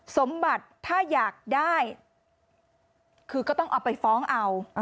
สมบัติถ้าอยากได้คือก็ต้องเอาไปฟ้องเอา